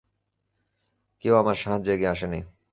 কেউ আমার সাহায্যে এগিয়ে আসেনি।